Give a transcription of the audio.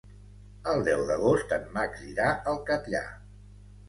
El deu d'agost en Max irà al Catllar.